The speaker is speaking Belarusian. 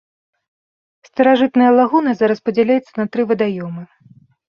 Старажытная лагуна зараз падзяляецца на тры вадаёмы.